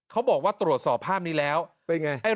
เขาบอกว่าตรวจสอบภาพนี้แล้วเป็นไง